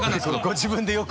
ご自分でよく。